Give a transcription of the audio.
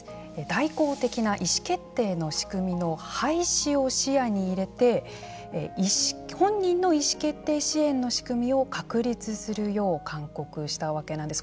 代行的な意思決定の仕組みの廃止を視野に入れて本人の意思決定支援の仕組みを確立するよう勧告したわけなんです。